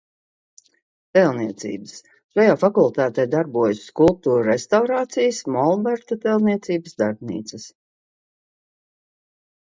Tēlniecības – šajā fakultātē darbojas skulptūru restaurācijas, molberta tēlniecības darbnīcas.